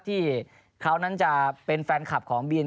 ธิริภัณฑ์เนี่ย